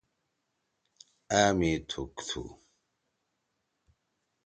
آں می تُھوک۔